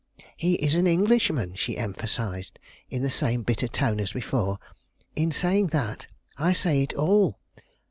"He is an Englishman," she emphasized in the same bitter tone as before. "In saying that, I say it all.